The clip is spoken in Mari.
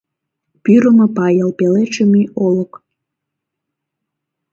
Пӱрымӧ пайыл — пеледше мӱй олык…